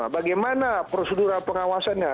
bagaimana prosedural pengawasannya